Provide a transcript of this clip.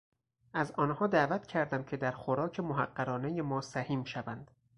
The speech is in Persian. از آنها دعوت کردم که در خوراک محقرانهی ما سهیم شوند.